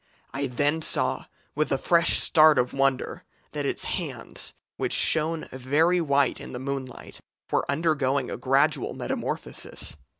I then saw, with a fresh start of wonder, that its hands, which shone very white in the moonlight, were undergoing a gradual metamorphosis.